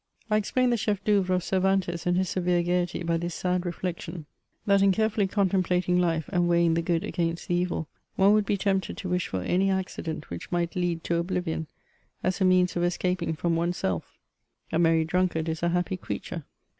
I explain the ckef d^ceuvre of Cervantes and his severe gaiety, by this sad reflection, that in carefully contemplating Ufe, } CHATEAUBEIAOT>. 203 and weighing the good against the evil, one would he tempted to wish for any accident which might lead to oblivion, as a means of escaping from oneself: a 'merry drankard is a happy creature.